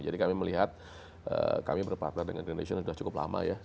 jadi kami melihat kami berpartner dengan green generation sudah cukup lama ya